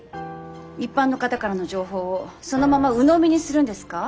一般の方からの情報をそのままうのみにするんですか？